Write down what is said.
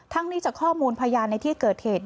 นี้จากข้อมูลพยานในที่เกิดเหตุ